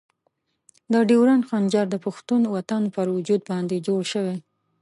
د ډیورنډ خنجر د پښتون وطن پر وجود باندې جوړ شوی.